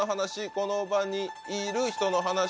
「この場にいる人のハナシ」